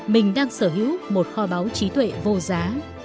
mình đang sở hữu một kho báu trí tuệ vô giá